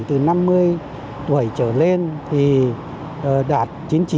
từ năm mươi tuổi trở lên thì đạt chín mươi tám hai